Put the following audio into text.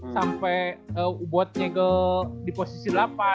sampai buatnya ke di posisi delapan